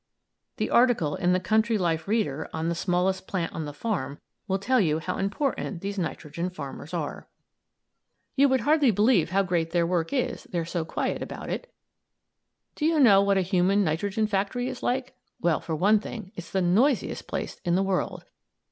The article in the "Country Life Reader" on "The Smallest Plant on the Farm" will tell you how important these nitrogen farmers are. You would hardly believe how great their work is, they're so quiet about it. Do you know what a human nitrogen factory is like? Well, for one thing, it's the noisiest place in the world.